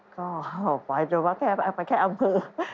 ก็ออกไว้แต่ว่าแค่อำเภอ